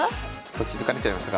気付かれちゃいましたか？